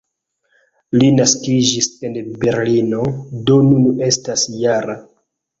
Li naskiĝis en Berlino, do nun estas -jara.